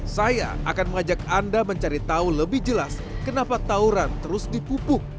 saya akan mengajak anda mencari tahu lebih jelas kenapa tauran terus dipupuk